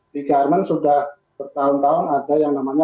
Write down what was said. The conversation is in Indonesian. di garmen sudah bertahun tahun ada yang namanya